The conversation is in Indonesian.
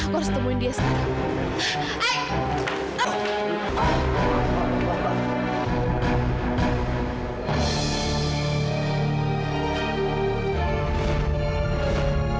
aku harus temuin dia sekarang